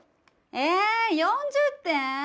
えぇ４０点？